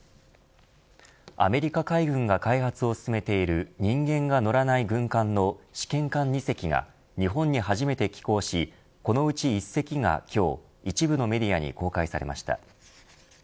アメリカ海軍が開発を進めている人間が乗らない軍艦の試験艦２隻が日本に初めて寄港しこのうち１隻が今日一部のメディアに公開されました。